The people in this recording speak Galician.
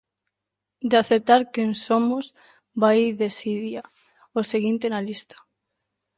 De "aceptar quen somos" vai Desidia, o seguinte na lista.